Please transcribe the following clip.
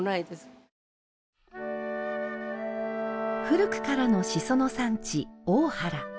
古くからのシソの産地、大原。